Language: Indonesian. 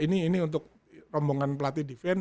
dua ini ini untuk rombongan pelatih defen